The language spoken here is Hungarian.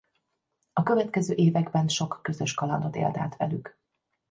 A következő években sok közös kalandot él át velük.